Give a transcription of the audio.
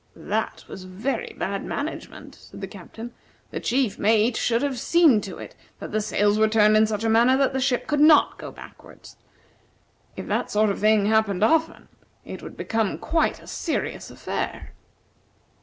"That was very bad management," said the Captain. "The chief mate should have seen to it that the sails were turned in such a manner that the ship could not go backward. If that sort of thing happened often, it would become quite a serious affair."